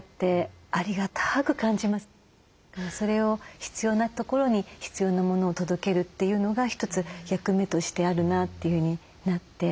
それを必要なところに必要なものを届けるというのが一つ役目としてあるなというふうになってますね。